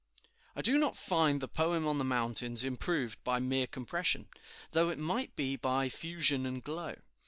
"I do not find the poem on the mountains improved by mere compression, though it might be by fusion and glow.